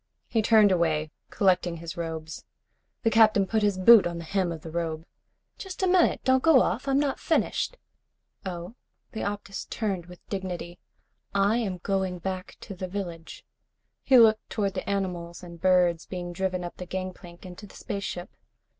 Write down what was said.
He turned away, collecting his robes. The Captain put his boot on the hem of the robe. "Just a minute. Don't go off. I'm not finished." "Oh?" The Optus turned with dignity. "I am going back to the village." He looked toward the animals and birds being driven up the gangplank into the spaceship.